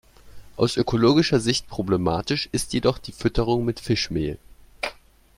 Aus ökologischer Sicht problematisch ist jedoch die Fütterung mit Fischmehl.